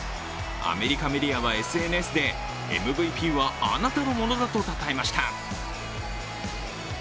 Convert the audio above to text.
アメリカメディアはＳＮＳでＭＶＰはあなたのものだとたたえました。